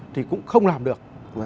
thì cũng không làm được